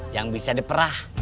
yang bisa diperah